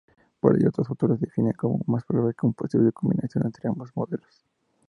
Por ello otros autores defienden como más probable una posible combinación entre ambos modelos.